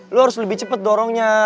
lu harus lebih cepet dorongnya